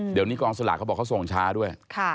เดี๋ยวนี้กองสลากเขาบอกเขาส่งช้าด้วย